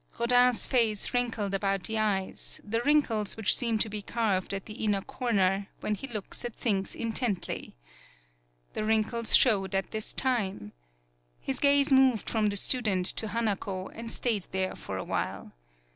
Rodin's face wrinkled about the eyes, 39 PAULOWNIA the wrinkles which seem to be carved at the inner corner, when he looks at things intently. The wrinkles showed at this time. His gaze moved from the student to Hanako, and stayed there for a while.